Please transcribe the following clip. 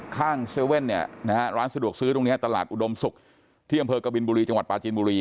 ห้าง๗๑๑ร้านสะดวกซื้อตรงนี้ตลาดอุดมศุกร์ที่อำเภอกบิลบุรีจังหวัดปลาจินบุรี